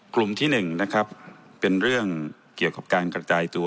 กลุ่มที่๑นะครับเป็นเรื่องเกี่ยวกับการกระจายตัว